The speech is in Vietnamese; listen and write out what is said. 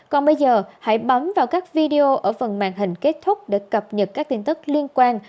còn bây giờ hãy bấm vào các video ở phần màn hình kết thúc để cập nhật các tin tức liên quan